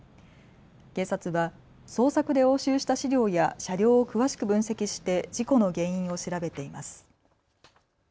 警察は捜索で押収した資料や車両を詳しく分析して事故の原因を調べています。